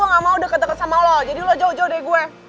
lo gak mau deket deket sama lo jadi lo jauh jauh deh gue